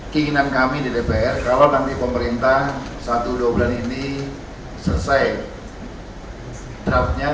keinginan kami di dpr kalau nanti pemerintah satu dua bulan ini selesai draftnya